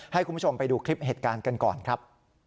ให้คุณผู้ชมไปดูคลิปเหตุการณ์กันก่อนครับ